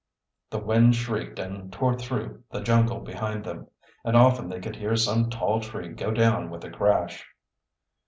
The wind shrieked and tore through the jungle behind them, and often they could hear some tall tree go down with a crash.